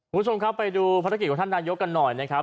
คุณผู้ชมครับไปดูภารกิจของท่านนายกกันหน่อยนะครับ